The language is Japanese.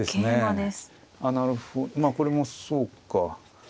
まあこれもそうか。